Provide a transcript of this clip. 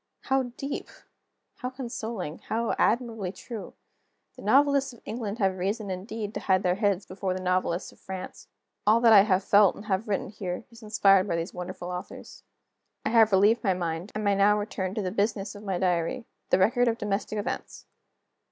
How deep! how consoling! how admirably true! The novelists of England have reason indeed to hide their heads before the novelists of France. All that I have felt, and have written here, is inspired by these wonderful authors. I have relieved my mind, and may now return to the business of my diary the record of domestic events.